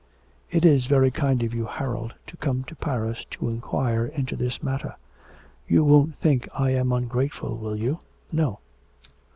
'It is very kind of you, Harold, to come to Paris to inquire into this matter. You won't think that I am ungrateful, will you?' 'No.'